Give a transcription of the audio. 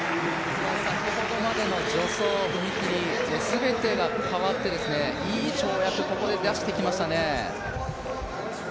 先ほどまでの助走、踏み切り全てが変わっていい跳躍をここで出してきましたね。